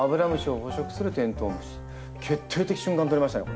決定的瞬間撮りましたね。